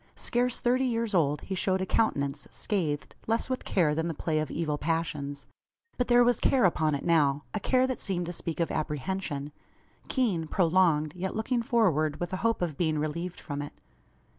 Scarce thirty years old, he showed a countenance, scathed, less with care than the play of evil passions. But there was care upon it now a care that seemed to speak of apprehension keen, prolonged, yet looking forward with a hope of being relieved from it.